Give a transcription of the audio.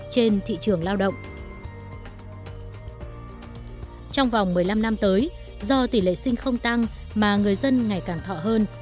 trong vòng một mươi năm năm tới do tỷ lệ sinh không tăng mà người dân ngày càng thọ hơn